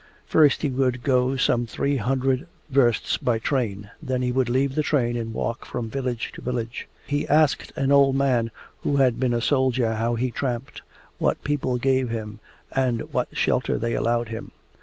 First he would go some three hundred versts by train, then he would leave the train and walk from village to village. He asked an old man who had been a soldier how he tramped: what people gave him, and what shelter they allowed him.